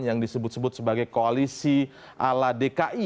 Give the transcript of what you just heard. yang disebut sebut sebagai koalisi ala dki